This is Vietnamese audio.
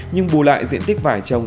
nhưng bù lại diện tích vải trồng